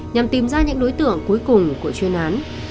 nhằm tìm ra những đối tượng cuối cùng của chuyên án